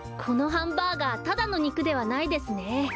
このハンバーガーただのにくではないですね。